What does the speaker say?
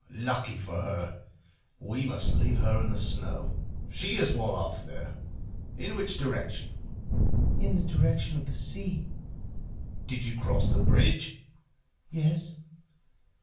Lucky for her! We must leave her in the snow. She is well off there. In which direction?" "In the direction of the sea." "Did you cross the bridge?" "Yes."